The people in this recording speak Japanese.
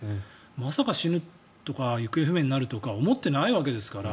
まさか死ぬとか行方不明になるとか思ってないわけですから。